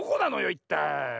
いったい。